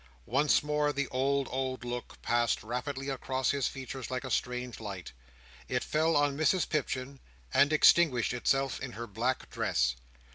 Once more the old, old look passed rapidly across his features like a strange light. It fell on Mrs Pipchin, and extinguished itself in her black dress.